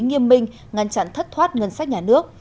nghiêm minh ngăn chặn thất thoát ngân sách nhà nước